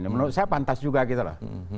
menurut saya pantas juga gitu lah